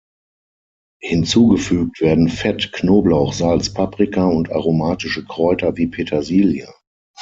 Hinzugefügt werden Fett, Knoblauch, Salz, Paprika und aromatische Kräuter wie Petersilie.